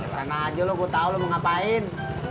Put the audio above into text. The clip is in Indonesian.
sana aja lo gue tau lo mau ngapain